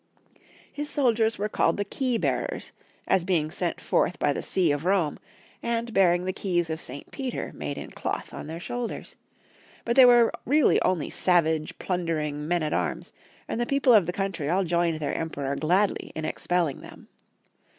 His soldiers were called the Key bearers, as being sent forth by the See of Rome, and bearing the Keys of St. Peter made in cloth on their shoulders ; but they were really only savage, plundering men at arms, and the people of the country all joined their Emperor gladly in expelling them.